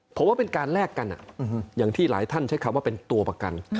ผมว่าเป็นการแลกกันอย่างที่หลายท่านใช้คำว่าเป็นตัวประกัน